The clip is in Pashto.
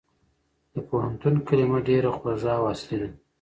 د پوهنتون کلمه ډېره خوږه او اصلي ده.